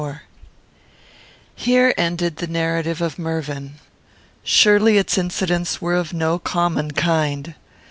CHAPTER XXIV. Here ended the narrative of Mervyn. Surely its incidents were of no common kind.